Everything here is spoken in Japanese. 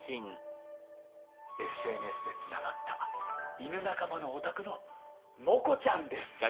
ＳＮＳでつながった犬仲間のお宅のモコちゃんです。